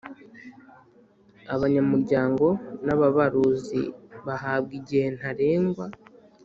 abanyamuryango n Ababaruzi bahabwa igihe ntarengwa